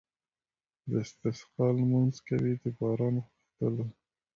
د استسقا لمونځ کوي د باران غوښتلو.